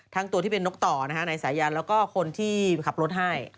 ทั้งตัวที่เป็นนกต่อในสายยันแล้วก็คนที่ขับรถให้